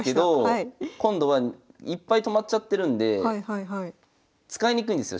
今度はいっぱいとまっちゃってるんで使いにくいんですよ